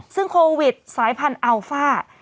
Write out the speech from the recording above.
ซึ่งโควิดสายพันธุ์อัลฟ่า